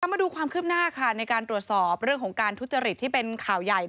มาดูความคืบหน้าค่ะในการตรวจสอบเรื่องของการทุจริตที่เป็นข่าวใหญ่